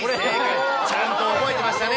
ちゃんと覚えてましたね。